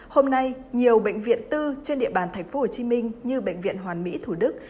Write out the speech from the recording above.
hôm nay nhiều bệnh viện tư trên địa bàn tp hcm như bệnh viện hoàn mỹ thủ đức